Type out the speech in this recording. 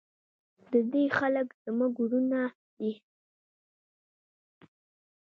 د دې خلک زموږ ورونه دي؟